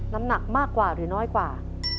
น้ำหนักมากกว่าหรือน้อยกว่า